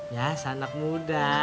ya sanak muda